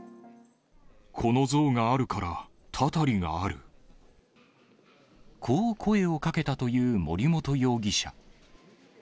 この像があるから、こう声をかけたという森本容疑者。